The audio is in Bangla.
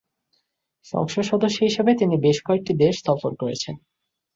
সংসদ সদস্য হিসাবে তিনি বেশ কয়েকটি দেশ সফর করেছেন।